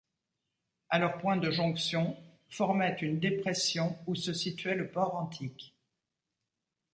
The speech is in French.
À leur point de jonction, formaient une dépression où se situait le port antique.